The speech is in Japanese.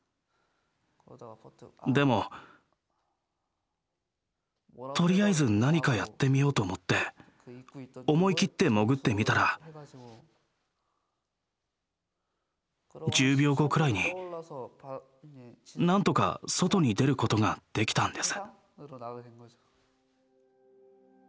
でもとりあえず何かやってみようと思って思い切って潜ってみたら１０秒後くらいになんとか外に出ることができたんです。